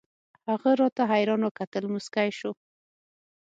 هغه راته حيران وكتل موسكى سو.